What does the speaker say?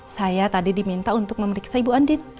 saya tadi diminta untuk memeriksa ibu andin